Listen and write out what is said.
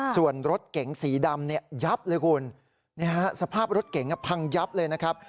ส่วนรถเก๋งสีดำเนี่ยยับเลยคุณสภาพรถเก๋งพังยับเลยนะครับ